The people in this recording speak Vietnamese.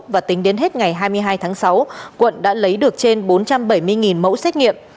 và tính đến hết ngày hai mươi hai tháng sáu quận đã lấy được trên bốn trăm bảy mươi mẫu xét nghiệm